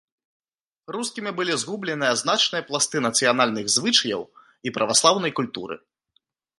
Рускімі былі згубленыя значныя пласты нацыянальных звычаяў і праваслаўнай культуры.